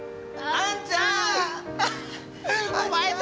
あんちゃん